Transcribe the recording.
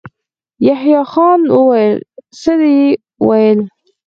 يحيی خان وويل: څه يې ويل؟